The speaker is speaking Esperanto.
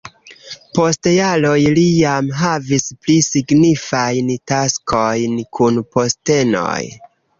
Post jaroj li jam havis pli signifajn taskojn kun postenoj.